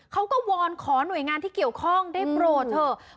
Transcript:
วอนขอหน่วยงานที่เกี่ยวข้องได้โปรดเถอะ